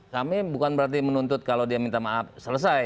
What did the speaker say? kami bukan berarti menuntut kalau dia minta maaf selesai